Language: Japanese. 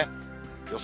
予想